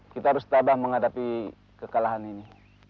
kita harus tabah menghadapi kekalahan ini